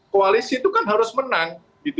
koalisi itu kan harus menang